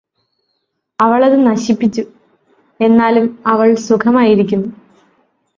അവളത് നശിപ്പിച്ചു എന്നാലും അവള് സുഖമായിരിക്കുന്നു